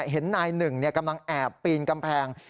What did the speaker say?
เห็นนายหนึ่งกำลังแอบปีนกำแพง